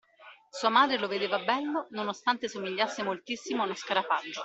Sua madre lo vedeva bello nonostante somigliasse moltissimo a uno scarafaggio.